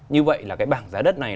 như vậy là cái bảng giá đất này